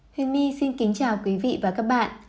hương my xin kính chào quý vị và các bạn